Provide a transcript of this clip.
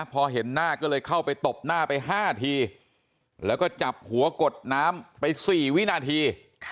พอเห็นหน้าก็เลยเข้าไปตบหน้าไป๕ทีแล้วก็จับหัวกดน้ำไป๔วินาที